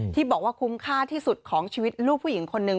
ที่บอกว่าคุ้มค่าที่สุดของชีวิตลูกผู้หญิงคนหนึ่ง